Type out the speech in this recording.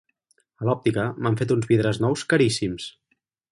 A l'òptica m'han fet uns vidres nous caríssims.